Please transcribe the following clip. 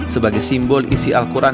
sebagai simbol isi al quran